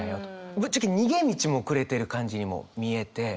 ぶっちゃけ逃げ道もくれてる感じにも見えて。